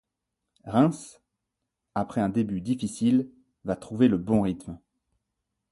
Reims, après un début difficile, va trouver le bon rythme.